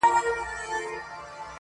څنگه دې پر مخ د دنيا نم راغلی